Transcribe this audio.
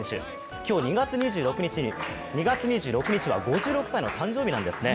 今日２月２６日は５６歳の誕生日なんですね。